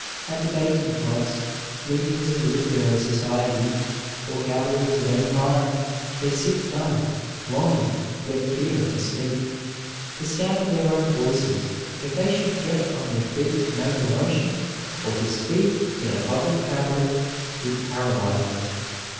At debating clubs, meetings of literary societies, or gatherings of any kind, they sit dumb, longing, yet fearing to speak. The sound of their own voices, if they should get on their feet to make a motion or to speak in a public gathering, would paralyze them.